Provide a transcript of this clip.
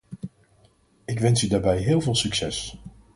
Ik wens u daarbij heel veel succes!